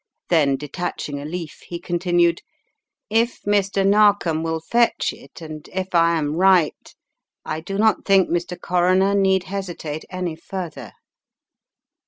Then detaching a leaf, he continued, "If Mr. Narkom will fetch it and if I am right, I do not think Mr. Coroner need hesitate any further."